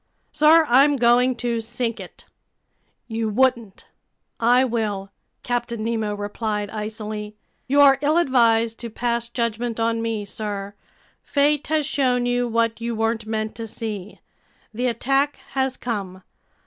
"Sir, I'm going to sink it." "You wouldn't!" "I will," Captain Nemo replied icily. "You're ill advised to pass judgment on me, sir. Fate has shown you what you weren't meant to see. The attack has come.